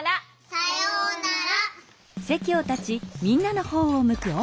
さようなら。